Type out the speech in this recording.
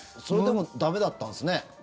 それでも駄目だったんですね。